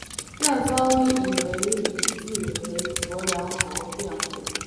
辩方以为理据为卓良豪辩护。